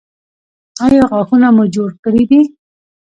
ایا غاښونه مو جوړ کړي دي؟